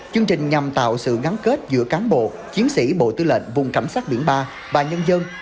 chương trình nhằm tạo sự gắn kết giữa cán bộ chiến sĩ bộ tư lệnh vùng cảnh sát biển ba và nhân dân